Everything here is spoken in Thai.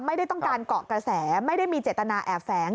ไม่ได้ต้องการเกาะกระแสไม่ได้มีเจตนาแอบแฝง